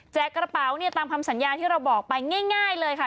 กระเป๋าเนี่ยตามคำสัญญาที่เราบอกไปง่ายเลยค่ะ